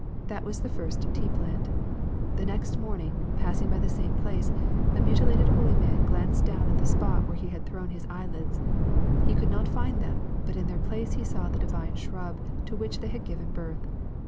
That was the first tea plant. The next morning, passing by the same place, the mutilated holy man glanced down at the spot where he had thrown his eyelids. He could not find them, but in their place he saw the divine shrub to which they had given birth.